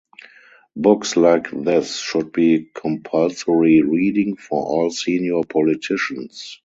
Books like this should be compulsory reading for all senior politicians.